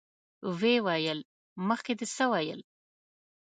ويې ويل: مخکې دې څه ويل؟